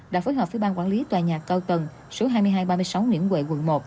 đã phối hợp với ban quản lý tòa nhà cao tầng số hai nghìn hai trăm ba mươi sáu nguyễn huệ quận một